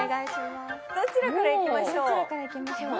どちらから行きましょう？